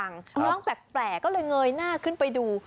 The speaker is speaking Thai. น้องแปลกก็เลยเงยหน้าขึ้นไปดู